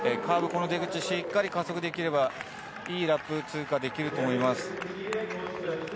この出口しっかり加速できれば、いいラップ通過ができると思います。